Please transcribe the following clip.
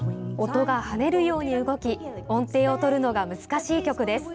音が跳ねるように動き音程をとるのが難しい曲です。